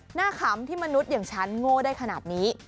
ขำที่มนุษย์อย่างฉันโง่ได้ขนาดนี้